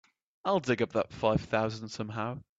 I'll dig up that five thousand somehow.